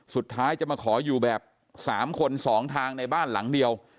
สุดท้ายจะมาขออยู่แบบ๓คน๒ทางในบ้านหลังเดียว